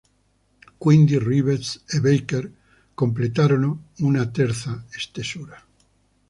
Quindi Reeves e Baker completarono una terza stesura.